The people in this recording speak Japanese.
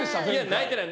泣いてない。